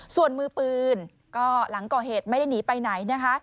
ส่วนมือปืนก็หลังก่อเหตุไม่ได้หนีไปไหนนะคะ